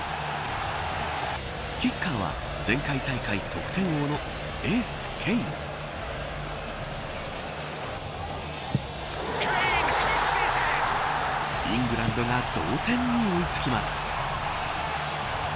キッカーは前回大会得点王のエース、ケインイングランドが同点に追いつきます。